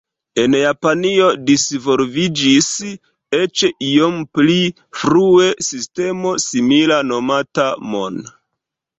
En Japanio disvolviĝis, eĉ iom pli frue, sistemo simila nomata "mon".